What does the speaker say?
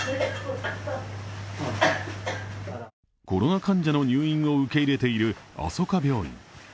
コロナ患者の入院を受け入れている、あそか病院。